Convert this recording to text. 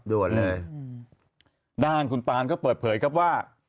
ด้านคุณตานก็เปิดเผยครับว่า